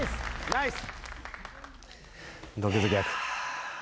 ナイス。